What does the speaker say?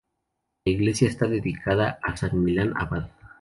La iglesia está dedicada a san Millán abad.